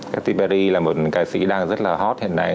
katy perry là một ca sĩ đang rất là hot hiện nay